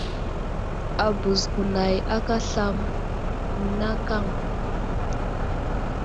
Abəz kunay aka aslam mənakaŋ.